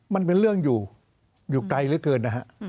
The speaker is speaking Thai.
มันเป็นเรื่องอยู่อยู่ไกลเหลือเกินนะฮะ